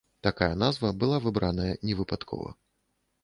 Такая назва была выбраная невыпадкова.